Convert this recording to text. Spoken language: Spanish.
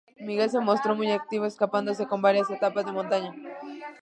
Miguel se mostró muy activo escapándose en varias etapas de montaña.